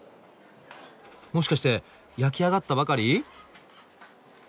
もしかして焼き上がったばかり？